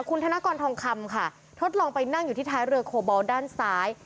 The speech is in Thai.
คุณธนกรทองคำค่ะทดลองไปนั่งอยู่ที่ท้ายเรือโคบอลด้านซ้าย